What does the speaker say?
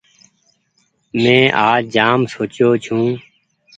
مين آج جآم سوچيو ڇون ۔